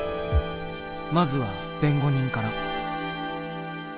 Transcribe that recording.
まずは弁護人から。